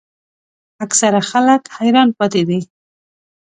اکثره خلک حیران پاتې دي.